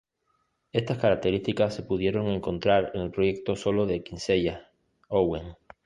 Estas características se pudieron encontrar en el proyecto solo de Kinsella, ""Owen"".